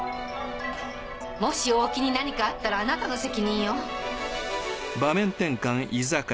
もし大木に何かあったらあなたの責任よ。